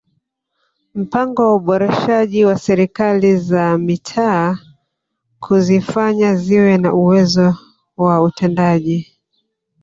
Mpango wa uboreshaji wa Serikali za Mitaa kuzifanya ziwe na uwezo wa utendaji